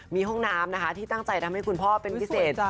มีห้องน้ำนะคะที่ตั้งใจทำให้คุณพ่อเป็นพิเศษ